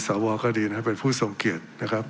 สวก็ดีนะครับเป็นผู้ทรงเกียรตินะครับ